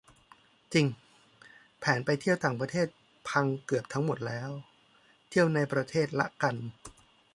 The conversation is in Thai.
จริง แผนไปต่างประเทศพังเกือบหมดแล้ว เที่ยวในประเทศละกัน